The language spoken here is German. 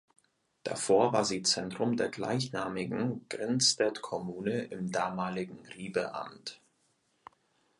Davor war sie Zentrum der gleichnamigen Grindsted Kommune im damaligen Ribe Amt.